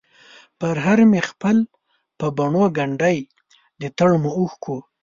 پرهر مې خپل په بڼووګنډی ، دتړمو اوښکو،